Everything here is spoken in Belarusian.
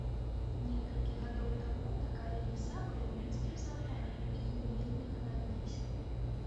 Некалькі гадоў таму такая ліса была ў мінскім заапарку і ёй вельмі ганарыліся.